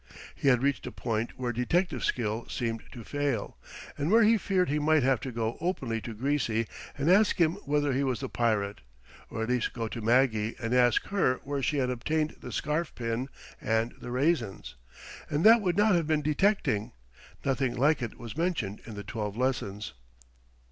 He had reached a point where detective skill seemed to fail, and where he feared he might have to go openly to Greasy and ask him whether he was the pirate, or at least go to Maggie and ask her where she had obtained the scarf pin and the raisins. And that would not have been detecting. Nothing like it was mentioned in the twelve lessons.